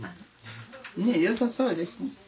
ねえよさそうですね。